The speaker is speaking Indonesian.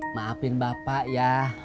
maapin bapak ya